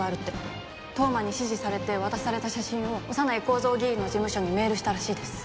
当麻に指示されて渡された写真を小山内幸三議員の事務所にメールしたらしいです。